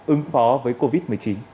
ứng phó với covid một mươi chín